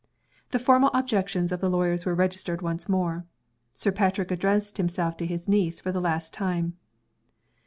The formal objections of the lawyers were registered once more. Sir Patrick addressed himself to his niece for the last time.